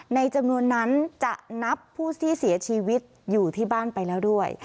จำนวนนั้นจะนับผู้ที่เสียชีวิตอยู่ที่บ้านไปแล้วด้วย